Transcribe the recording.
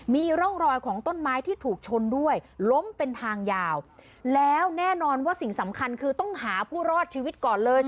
มีร่องรอยของต้นไม้ที่ถูกชนด้วยล้มเป็นทางยาวแล้วแน่นอนว่าสิ่งสำคัญคือต้องหาผู้รอดชีวิตก่อนเลย